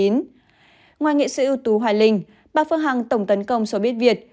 ngoài nghệ sĩ ưu tú hoài linh bà phương hằng tổng tấn công cho biết việt